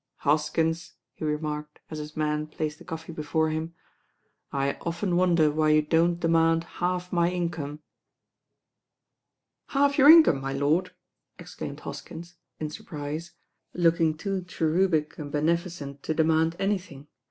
"Hoskins," he remarked, as his man placed the coffee before him, "I often wonder why you don't demand half my income." "Half your income, my lord I" exclaimed Hoskins, in surprise, looking too cherubic and beneficent to demand anything.